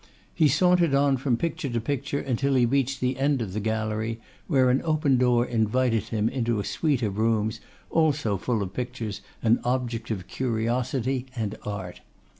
He sauntered on from picture to picture until he reached the end of the gallery, where an open door invited him into a suite of rooms also full of pictures and objects of curiosity and art.